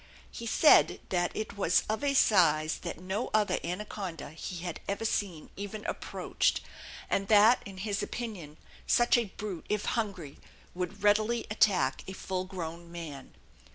He said that it was of a size that no other anaconda he had ever seen even approached, and that in his opinion such a brute if hungry would readily attack a full grown man.